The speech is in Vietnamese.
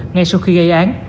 ngay sau khi gây án